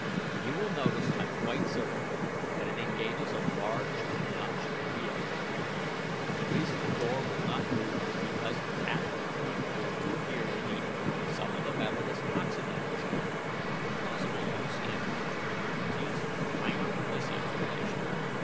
You will notice, I'm quite certain, that it engages a large notched wheel. The reason that the door will not move is because at the point where the two gears meet, some of the metal has oxidized. For possible use in future emergencies, I offer this explanation.